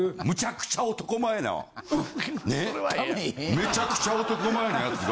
めちゃくちゃ男前な奴が。